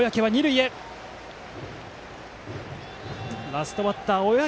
ラストバッター、小宅。